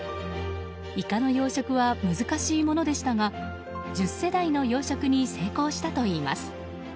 イカの養殖は難しいものでしたが１０世代の養殖に成功したといいます。